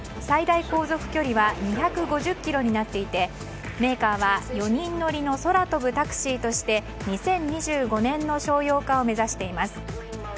最大航続距離は２５０ｋｍになっていてメーカーは４人乗りの空飛ぶタクシーとして２０２５年の商用化を目指しています。